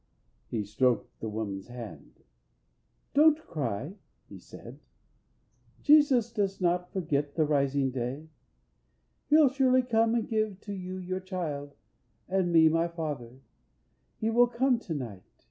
He stroked the woman's hand: "Don't cry," he said, "Jesus does not forget the Rising Day, He'll surely come and give to you your child And me my father He will come to night.